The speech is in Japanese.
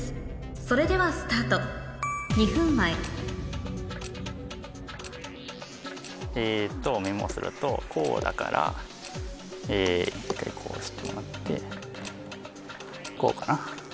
それではスタート２分前えとメモするとこうだから１回こうしてもらって。